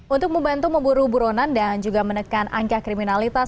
untuk membantu memburu buronan dan juga menekan angka kriminalitas